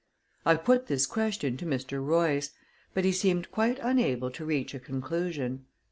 I put this question to Mr. Royce, but he seemed quite unable to reach a conclusion.